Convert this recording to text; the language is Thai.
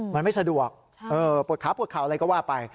มันไม่สะดวกปวดขาวอะไรก็ว่าไป